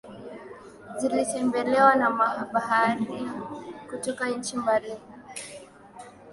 zilitembelewa na mabaharia kutoka nchi za mbali